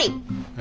え？